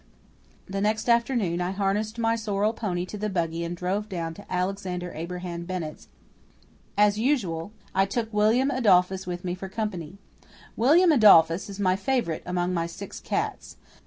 The next afternoon I harnessed my sorrel pony to the buggy and drove down to Alexander Abraham Bennett's. As usual, I took William Adolphus with me for company. William Adolphus is my favourite among my six cats.